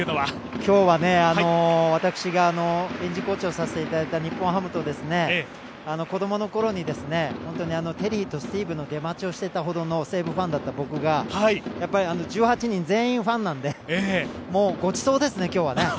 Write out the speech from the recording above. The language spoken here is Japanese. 今日は私が臨時コーチをさせていただいた日本ハムと子供のころにテリーとスティーブの出待ちをしていたほどの西武ファンだった僕が、１８人全員ファンなので、ごちそうですね、今日は。